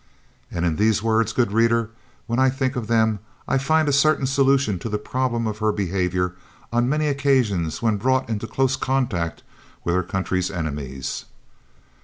And in these words, good reader, when I think of them, I find a certain solution to the problem of her behaviour on many occasions when brought into close contact with her country's enemies.